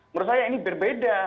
menurut saya ini berbeda